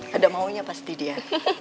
ada maunya pasti dia